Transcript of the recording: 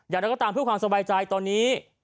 อย่างไรก็ตามเพื่อความสบายใจตอนนี้